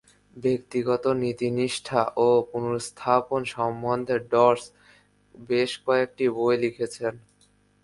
ব্যক্তিগত নীতিনিষ্ঠা ও পুনর্স্থাপন সম্বন্ধে ডর্চ বেশ কয়েকটা বই লিখেছিলেন।